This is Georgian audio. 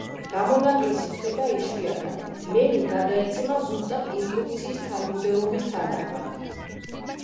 გამონაკლისი ხდება იშვიათად, მემი გადაეცემა ზუსტად ინსტრუქციის თანმიმდევრობის თანახმად.